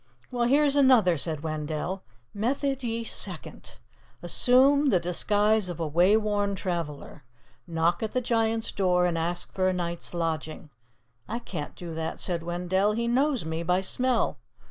"Well, here's another," said Wendell. "'Method ye second: Assume the disguise of a wayworn traveler. Knock at the giant's door and ask for a night's lodging.' I can't do that," said Wendell. "He knows me by smell."